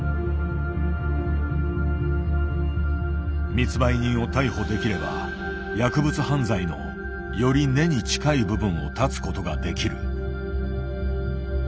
密売人を逮捕できれば薬物犯罪のより根に近い部分を絶つことができる。